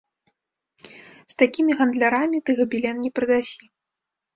З такімі гандлярамі ты габелен не прадасі.